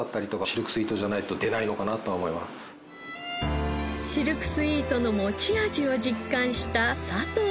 シルクスイートの持ち味を実感した佐藤シェフ。